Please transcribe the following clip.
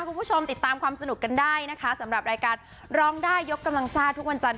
คุณผู้ชมติดตามความสนุกกันได้นะคะสำหรับรายการร้องได้ยกกำลังซ่าทุกวันจันท